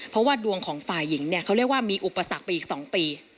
เพราะว่าดวงของฝ่ายหญิงเนี่ยเขาเรียกว่ามีอุปสรรคไปอีก๒ปี